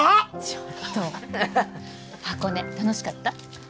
ちょっと箱根楽しかった？